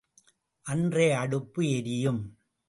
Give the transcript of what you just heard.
அன்றைய அடுப்பு எரியும்.